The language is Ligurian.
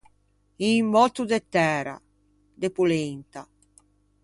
Un mòtto de tæra, de polenta.